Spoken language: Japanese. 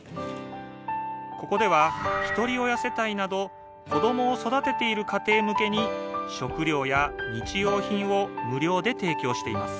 ここではひとり親世帯など子どもを育てている家庭向けに食料や日用品を無料で提供しています